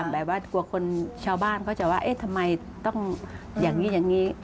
ใบบันกับครัวคนชาวบ้านเขาจะว่าทำไมต้องอย่างนี้